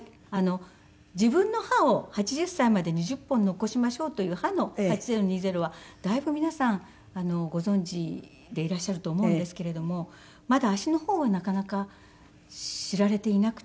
自分の歯を８０歳まで２０本残しましょうという歯の８０２０はだいぶ皆さんご存じでいらっしゃると思うんですけれどもまだ足の方はなかなか知られていなくて。